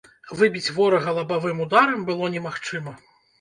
Выбіць ворага лабавым ударам было немагчыма.